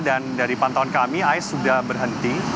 dan dari pantauan kami air sudah berhenti